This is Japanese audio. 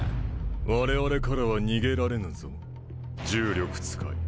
我々からは逃げられぬぞ重力使い。